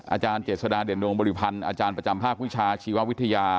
อาจารย์เจษฎาเด่นดวงบริพันธ์อาจารย์ประจำภาควิชาชีววิทยา